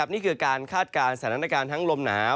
นี่คือการคาดการณ์สถานการณ์ทั้งลมหนาว